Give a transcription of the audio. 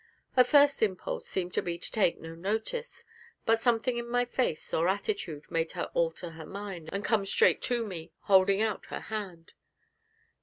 Her first impulse seemed to be to take no notice, but something in my face or attitude made her alter her mind and come straight to me, holding out her hand.